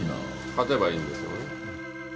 勝てばいいんですよね。